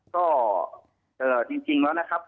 ก็จริงแล้วนะครับ